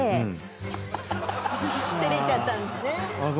照れちゃったんですね。